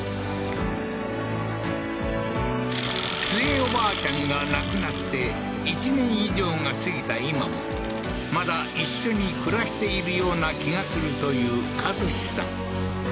おばあちゃんが亡くなって１年以上が過ぎた今もまだ一緒に暮らしているような気がするという和司さん